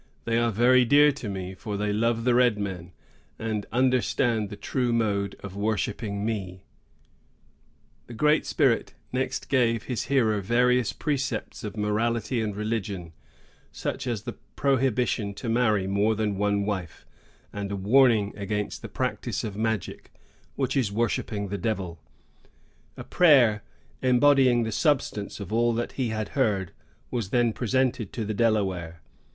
They are very dear to me, for they love the red men, and understand the true mode of worshipping me,'" The Great Spirit next gave his hearer various precepts of morality and religion, such as the prohibition to marry more than one wife; and a warning against the practice of magic, which is worshipping the devil. A prayer, embodying the substance of all that he had heard, was then presented to the Delaware.